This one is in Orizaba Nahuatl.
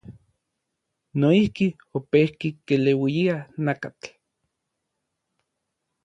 Noijki, opejki keleuia nakatl.